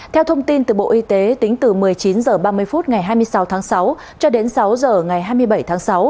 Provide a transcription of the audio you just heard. theo thông tin từ bộ y tế tính từ một mươi chín h ba mươi phút ngày hai mươi sáu tháng sáu cho đến sáu h ngày hai mươi bảy tháng sáu